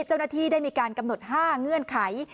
เจ้าหน้าที่ได้มีการกำหนด๕เงื่อนไข